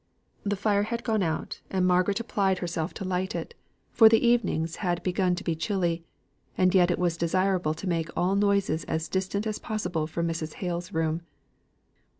The fire had gone out; and Margaret applied herself to light it, for the evenings had begun to be chilly; and yet it was desirable to make all noises as distant as possible from Mrs. Hale's room.